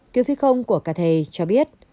cứu phi công của ca thầy cho biết